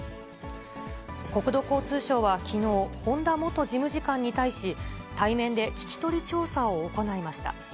国土交通省はきのう、本田元事務次官に対し、対面で聞き取り調査を行いました。